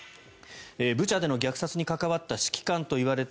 ブチャでの虐殺に関わった指揮官といわれる